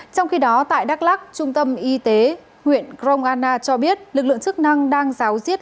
trong khi đó tại đắk lắc trung tâm y tế huyện krongana cho biết lực lượng chức năng đang giáo diết